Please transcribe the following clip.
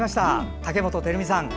竹本照美さん。